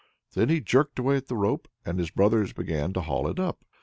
Then he jerked away at the rope, and his brothers began to haul it up.